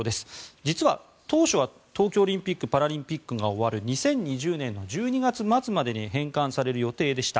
実は当初は東京オリンピック・パラリンピックが終わる２０２０年の１２月末までに返還される予定でした。